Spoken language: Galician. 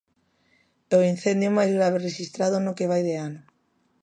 E o incendio máis grave rexistrado no que vai de ano.